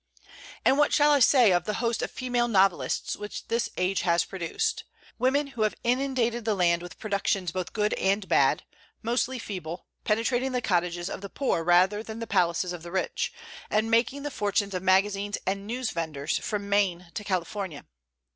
And what shall I say of the host of female novelists which this age has produced, women who have inundated the land with productions both good and bad; mostly feeble, penetrating the cottages of the poor rather than the palaces of the rich, and making the fortunes of magazines and news vendors, from Maine to California?